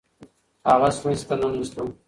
هغه سمڅې ته ننه ایستو.